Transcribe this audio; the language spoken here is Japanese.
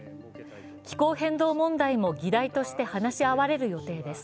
気候変動問題も議題として話し合われる予定です。